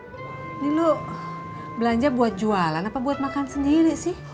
ini lu belanja buat jualan apa buat makan sendiri sih